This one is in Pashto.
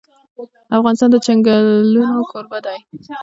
افغانستان د چنګلونه کوربه دی.